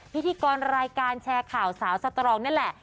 พิธีกรรายการแชร์ข่าวสาวสตรองนั่นแหละ